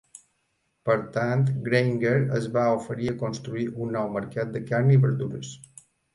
Per tant, Grainger es va oferir a construir un nou mercat de carn i verdures.